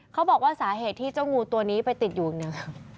เขาบอกว่าสาเหตุที่เจ้างูตัวนี้ไปติดอยู่เนี่ย